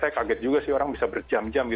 saya kaget juga sih orang bisa berjam jam